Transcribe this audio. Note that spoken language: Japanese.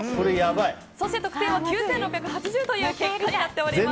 そして得点は９６８０という結果になっています。